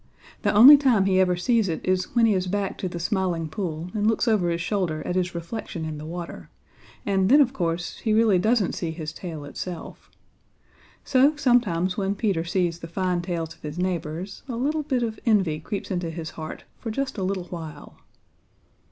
The only time he ever sees it is when he is back to the Smiling Pool and looks over his shoulder at his reflection in the water, and then, of course, he really doesn't see his tail itself. So sometimes when Peter sees the fine tails of his neighbors, a little bit of envy creeps into his heart for just a little while.